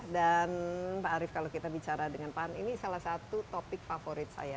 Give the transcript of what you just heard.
dan pak arief kalau kita bicara dengan pak arief ini salah satu topik favorit saya